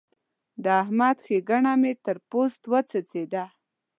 د احمد ښېګڼه مې تر پوست وڅڅېده.